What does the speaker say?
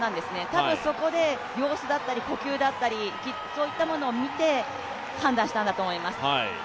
たぶんそこで様子だったり、呼吸だったり、そういったものを見て、判断したんだと思います。